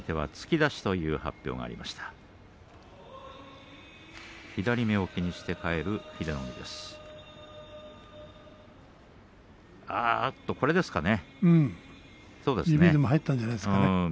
指でも入ったんじゃないですかね。